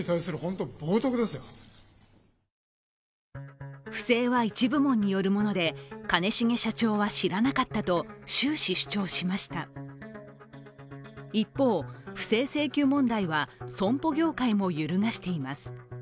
更に不正は一部門によるもので兼重社長は、知らなかったと終始、主張しました一方、不正請求問題は損保業界も揺るがしています。